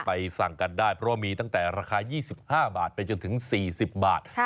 สั่งกันได้เพราะว่ามีตั้งแต่ราคา๒๕บาทไปจนถึง๔๐บาท